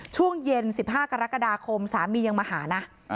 ช่วงเย็น๑๕กรกฎาคมสามียังมาหานะ